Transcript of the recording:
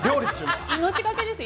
命懸けですよ。